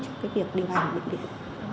trong cái việc điều hành bệnh viện